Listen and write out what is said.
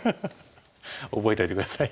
覚えておいて下さい。